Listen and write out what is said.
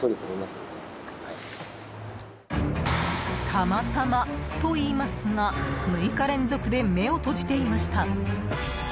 たまたまと言いますが６日連続で目を閉じていました。